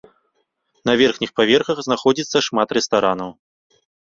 На верхніх паверхах знаходзіцца шмат рэстаранаў.